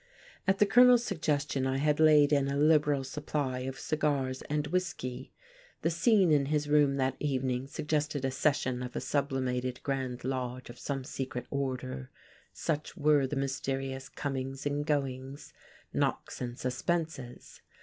At the Colonel's suggestion I had laid in a liberal supply of cigars and whiskey. The scene in his room that evening suggested a session of a sublimated grand lodge of some secret order, such were the mysterious comings and goings, knocks and suspenses.